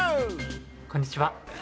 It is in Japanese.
こんにちは。